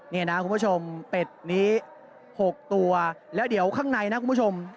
นี่นะคุณผู้ชมเป็ดนี้๖ตัวแล้วเดี๋ยวข้างในนะคุณผู้ชม